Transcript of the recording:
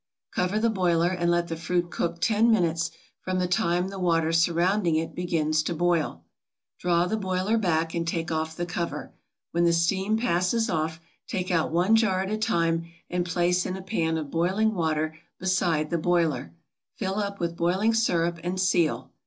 Cover the boiler and let the fruit cook ten minutes from the time the water surrounding it begins to boil. Draw the boiler back and take off the cover. When the steam passes off take out one jar at a time and place in a pan of boiling water beside the boiler, fill up with boiling sirup, and seal.